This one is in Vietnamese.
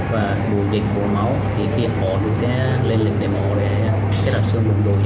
và bù dịch bùa máu